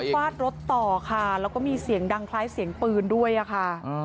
ฟาดรถต่อค่ะแล้วก็มีเสียงดังคล้ายเสียงปืนด้วยอะค่ะ